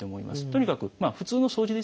とにかく普通の掃除ですよね。